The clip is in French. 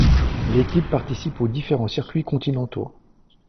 L'équipe participe aux différents circuits continentaux.